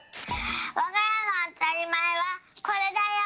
わがやのあたりまえはこれだよ。